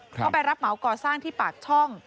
เขาไปรับเหมาก่อสร้างที่ปากช่อง